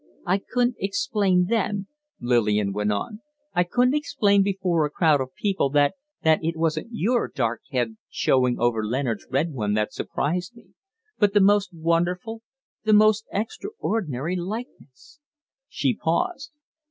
"I couldn't explain then," Lillian went on. "I couldn't explain before a crowd of people that it wasn't your dark head showing over Leonard's red one that surprised me, but the most wonderful, the most extraordinary likeness " She paused.